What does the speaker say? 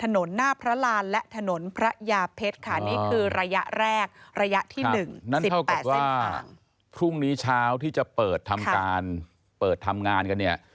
นั่นเท่ากับว่าพรุ่งนี้เช้าที่จะเปิดทำการเปิดทำงานกันเนี่ย